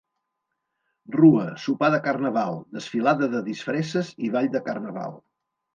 Rua, sopar de Carnaval, desfilada de disfresses i ball de Carnaval.